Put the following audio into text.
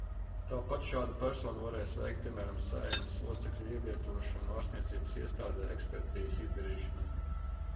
Tāpat šāda persona varēs veikt, piemēram, Saeimas locekļa ievietošanu ārstniecības iestādē ekspertīzes izdarīšanai.